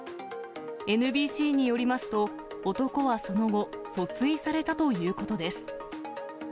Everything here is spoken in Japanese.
ＮＢＣによりますと、男はその後、訴追されたということです。